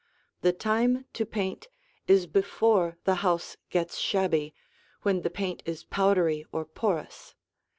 The time to paint is before the house gets shabby, when the paint is powdery or porous.